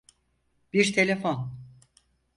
Bir telefon.